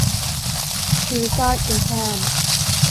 She resides in Perm.